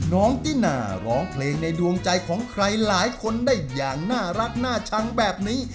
น้องตินาร้องเพลงในดวงใจของใครหลายคนได้อย่างน่ารักน่าชังแบบนี้